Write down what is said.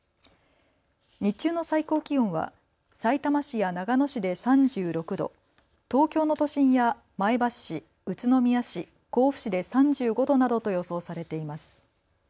日中の最高気温は、さいたま市や長野市で３６度、東京の都心や前橋市、宇都宮市、甲府市で３５度などと予想されています。